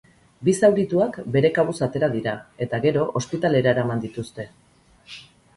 Bi zaurituak bere kabuz atera dira, eta gero, ospitalera eraman dituzte.